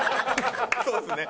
そうですね。